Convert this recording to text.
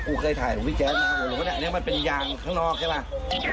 กูเคยถ่ายของพี่แจ๊ดมาอันนี้มันเป็นยางข้างนอกใช่เหรอ